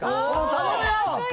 頼むよ！